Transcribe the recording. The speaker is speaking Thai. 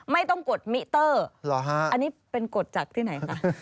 ไม่ต้องกดมิเตอร์อันนี้เป็นกดจากที่ไหนคะ